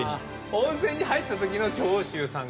温泉に入ったときの長州さんか。